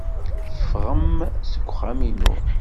Ffɣem seg uxxam-inu.